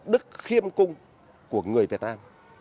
đức khiêm cung của người việt nam